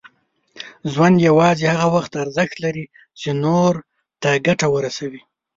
ژوند یوازې هغه وخت ارزښت لري، چې نور ته ګټه ورسوي.